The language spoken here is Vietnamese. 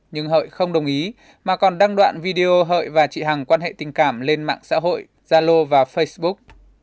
nhưng hợi không đồng ý mà còn đăng đoạn video hợi và chị hằng quan hệ tình cảm lên mạng xã hội zalo và facebook